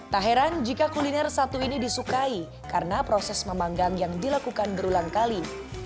tak heran jika kuliner satu ini disukai karena proses memanggang yang dilakukan berulang kali